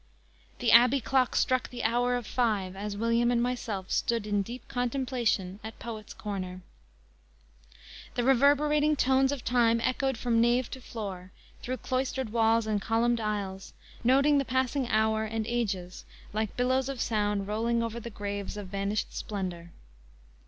The Abbey clock struck the hour of five as William and myself stood in deep contemplation at Poets' corner. The reverberating tones of time echoed from nave to floor, through cloistered walls and columned aisles, noting the passing hour and ages, like billows of sound rolling over the graves of vanished splendor.